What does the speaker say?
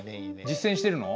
実践してるの？